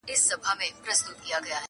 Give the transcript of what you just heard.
ورته ایښی د مغول د حلوا تال دی.!